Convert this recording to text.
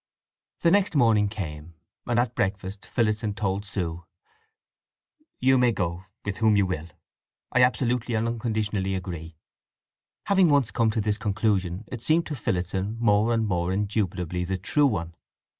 The next morning came, and at breakfast Phillotson told Sue: "You may go—with whom you will. I absolutely and unconditionally agree." Having once come to this conclusion it seemed to Phillotson more and more indubitably the true one.